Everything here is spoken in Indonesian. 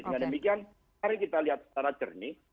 dengan demikian mari kita lihat secara jernih